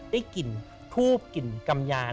ได้กลิ่นทูบกลิ่นกำยาน